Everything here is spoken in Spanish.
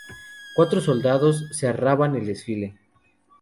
Cuatro soldados cerraban el desfile.